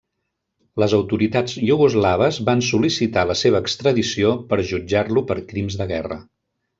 Les autoritats iugoslaves van sol·licitar la seva extradició per jutjar-lo per crims de guerra.